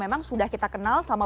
memang sudah kita kenal sama